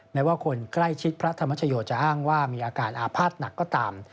แม้ว่าคนใกล้ชิดพระธรรมชโยจะอ้างว่ามีอาการอาภาษณ์หนักก็ตาม